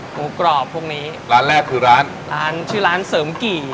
กรอบพวกนี้ร้านแรกคือร้านร้านชื่อร้านเสริมกี่